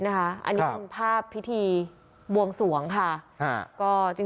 อันนี้คือภาพพิธีบวงสวง